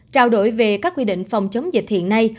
trao đổi về các quy định phòng chống dịch hiện nay